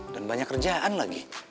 dan banyak kerjaan lagi